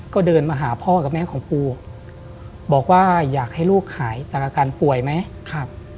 ก็เดินมาหาพ่อกับแม่ของปูบอกว่าอยากให้ลูกหายจากอาการป่วยไหมครับ